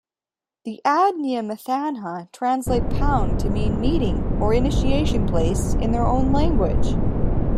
The Adnyamathanha translate Pound to mean 'meeting' or 'initiation place' in their own language.